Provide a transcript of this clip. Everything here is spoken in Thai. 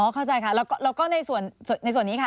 อ๋อเข้าใจค่ะแล้วก็แล้วก็ในส่วนในส่วนนี้ค่ะ